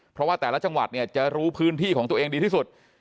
เพราะว่าแต่ละจังหวัดเนี่ยจะรู้พื้นที่ของตัวเองดีที่สุด